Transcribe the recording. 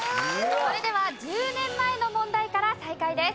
それでは１０年前の問題から再開です。